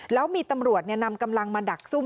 แล้วมีตำรวจนำกำลังมาดักซุ่ม